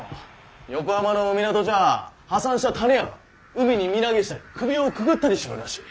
横浜の港じゃ破産した種屋が海に身投げしたり首をくくったりしちょるらしい。